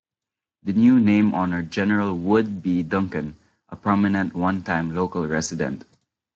The new name honored General Wood B. Duncan, a prominent onetime local resident.